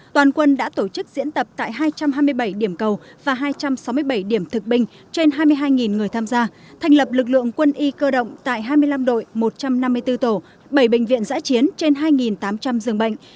toàn quân đã tổ chức diễn tập tại hai trăm hai mươi bảy điểm cầu và hai trăm sáu mươi bảy điểm thực binh trên hai mươi hai người tham gia thành lập lực lượng quân y cơ động tại hai mươi năm đội một trăm năm mươi bốn tổ bảy bệnh viện giã chiến trên hai tám trăm linh giường bệnh